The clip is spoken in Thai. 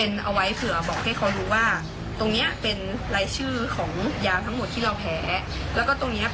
ถ้าเราแพ้แพ้ยาอะไรบ้างกับตัวเราเนี่ยค่ะ